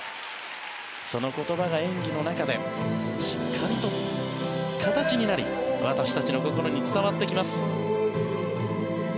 その言葉が演技の中でしっかりと形になり私たちの心に伝わってきます。